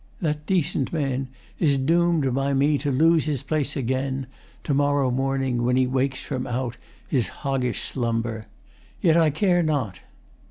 That decent man Is doom'd by me to lose his place again To morrow morning when he wakes from out His hoggish slumber. Yet I care not.